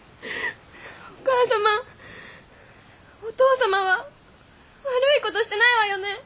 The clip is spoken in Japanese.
お母様お父様は悪い事してないわよね？